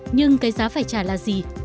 nhưng cái giá phải trả là gì